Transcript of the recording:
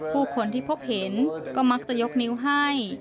ผู้คนที่พบเห็นก็มักจะยกนิ้วให้